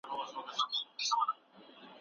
هورمونونه د خوب دورې هم تنظیموي.